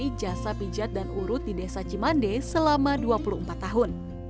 dan dia juga melayani jasa pijat dan urut di desa cimandi selama dua puluh empat tahun